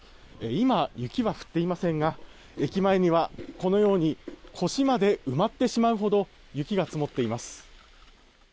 今、雪は降っていませんが駅前には、このように腰まで埋まってしまうほど雪が積もっています。